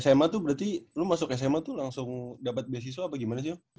sma tuh berarti lu masuk sma tuh langsung dapat beasiswa apa gimana sih